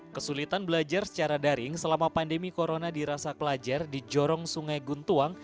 kesulitan belajar secara daring selama pandemi corona dirasa pelajar di jorong sungai guntuang